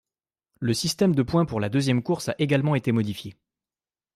Le système de points pour la deuxième course a également été modifiée.